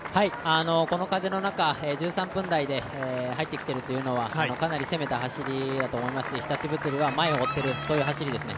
この風の中、１３分台で入ってきているというのはかなり攻めた走りだと思いますし日立物流は前を追っている走りですね。